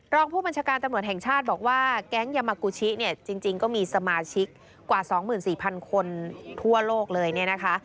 รองผู้บัญชาการตำรวจแห่งชาติบอกว่าแก๊งยามากูชิเนี่ยจริงก็มีสมาชิกกว่า๒๔๐๐คนทั่วโลกเลยเนี่ยนะคะ